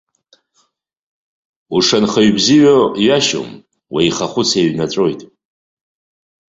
Ушынхаҩ бзиоу ҩашьом, уеиха ахәыц еиҩнаҵәоит.